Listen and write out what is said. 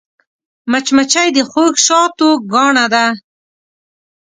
مچمچۍ د خوږ شاتو ګاڼه ده